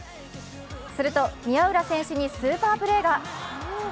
すると宮浦選手にスーパープレーが。